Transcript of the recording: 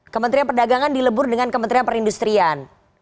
kementerian perdagangan dilebur dengan kementerian perindustrian